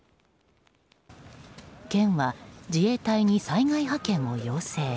県は自衛隊に災害派遣を要請。